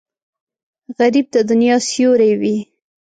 غریب د دنیا سیوری وي